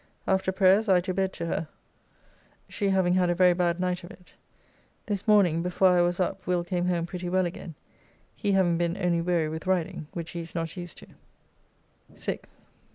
After prayers I to bed to her, she having had a very bad night of it. This morning before I was up Will came home pretty well again, he having been only weary with riding, which he is not used to. 6th.